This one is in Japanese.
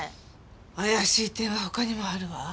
怪しい点は他にもあるわ。